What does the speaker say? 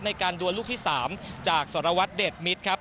ในการดวนลูกที่๓จากสรวจเดชมิตรครับ